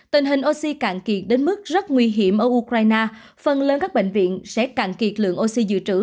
tình hình oxy cạn kiệt đến mức rất nguy hiểm ở ukraine phần lớn các bệnh viện sẽ cạn kiệt lượng oxy dự trữ